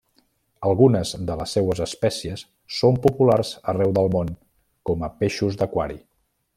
Algunes de les seues espècies són populars arreu del món com a peixos d'aquari.